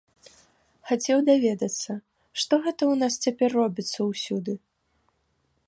Хацеў даведацца, што гэта ў нас цяпер робіцца ўсюды?